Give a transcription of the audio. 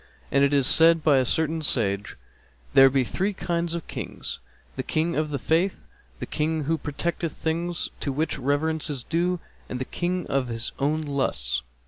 And it is said by a certain sage, 'There be three kinds of Kings, the King of the Faith, the King who protecteth things to which reverence is due, and the King of his own lusts.'